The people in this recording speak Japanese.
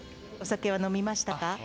お酒は飲みましたか？